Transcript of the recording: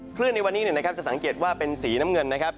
ในวันนี้จะสังเกตว่าเป็นสีน้ำเงินนะครับ